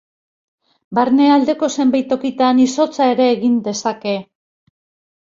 Barnealdeko zenbait tokitan, izotza ere egin dezake.